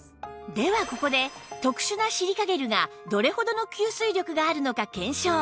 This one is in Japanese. ではここで特殊なシリカゲルがどれほどの吸水力があるのか検証！